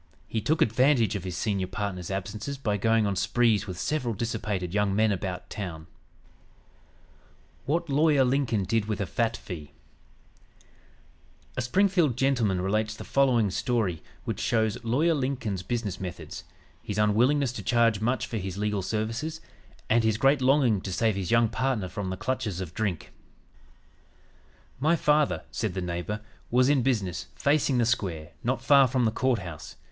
He took advantage of his senior partner's absences by going on sprees with several dissipated young men about town. WHAT LAWYER LINCOLN DID WITH A FAT FEE A Springfield gentleman relates the following story which shows Lawyer Lincoln's business methods, his unwillingness to charge much for his legal services; and his great longing to save his young partner from the clutches of drink: "My father," said the neighbor, "was in business, facing the square, not far from the Court House.